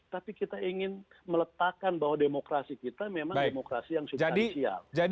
tapi kita ingin meletakkan bahwa demokrasi kita memang demokrasi yang substansial